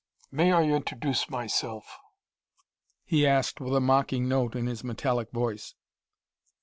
"May I introduce myself?" he asked with a mocking note in his metallic voice.